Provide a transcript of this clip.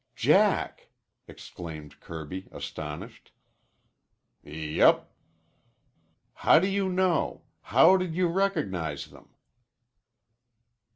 "Jack!" exclaimed Kirby, astonished. "Yep." "How do you know? How did you recognize them?"